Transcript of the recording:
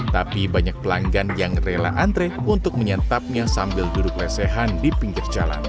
tapi banyak pelanggan yang rela antre untuk menyantapnya sambil duduk lesehan di pinggir jalan